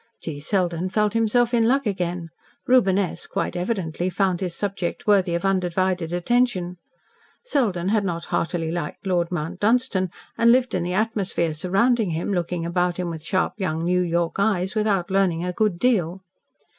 G. Selden felt himself in luck again. Reuben S., quite evidently, found his subject worthy of undivided attention. Selden had not heartily liked Lord Mount Dunstan, and lived in the atmosphere surrounding him, looking about him with sharp young New York eyes, without learning a good deal.